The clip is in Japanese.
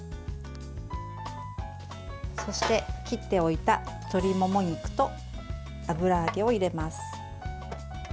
そして、切っておいた鶏もも肉と油揚げを入れます。